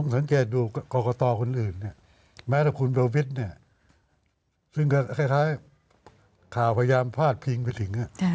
สังเกตดูกรกฎาคุณอื่นแม้ถ้าคุณเวลวิทซึ่งก็คล้ายข่าวพยายามพาดพิงไปถึง